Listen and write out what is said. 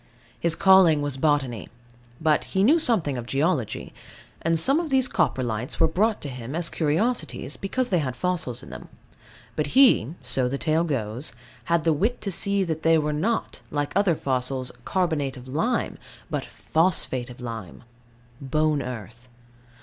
His calling was botany: but he knew something of geology. And some of these Coprolites were brought him as curiosities, because they had fossils in them. But he (so the tale goes) had the wit to see that they were not, like other fossils, carbonate of lime, but phosphate of lime bone earth.